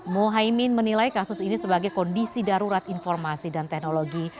muhaymin menilai kasus ini sebagai kondisi darurat informasi dan teknologi